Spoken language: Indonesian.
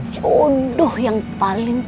jodoh yang paling